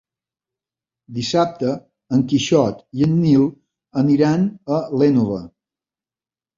Dissabte en Quixot i en Nil aniran a l'Énova.